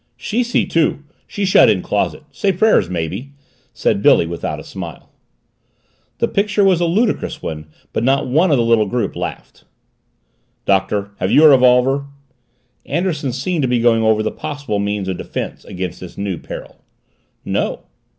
"She see too. She shut in closet say prayers, maybe," said Billy, without a smile. The picture was a ludicrous one but not one of the little group laughed. "Doctor, have you a revolver?" Anderson seemed to be going over the possible means of defense against this new peril. "No."